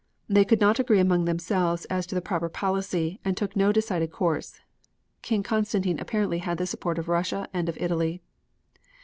They could not agree among themselves as to the proper policy, and took no decided course. King Constantine apparently had the support of Russia and of Italy.